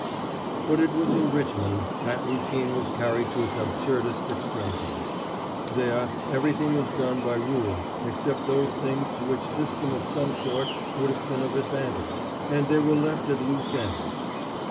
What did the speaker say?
But it was in Richmond that routine was carried to its absurdest extremities. There, everything was done by rule except those things to which system of some sort would have been of advantage, and they were left at loose ends.